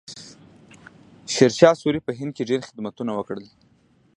شیرشاه سوري په هند کې ډېر خدمتونه وکړل.